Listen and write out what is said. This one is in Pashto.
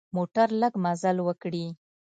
موټر لږ مزل وکړي.